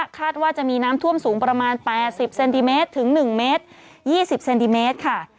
คาดว่าจะมีน้ำท่วมสูงประมาณ๘๐เซนติเมตรถึง๑เมตร๒๐เซนติเมตรค่ะ